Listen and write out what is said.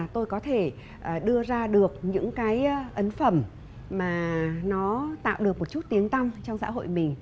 tôi có thể đưa ra được những cái ấn phẩm mà nó tạo được một chút tiếng tóng trong xã hội mình